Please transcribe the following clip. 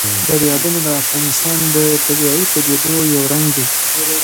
دریابونه د افغانستان د طبیعي پدیدو یو رنګ دی.